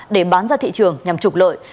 để bán ra thị trường nhằm trục lợi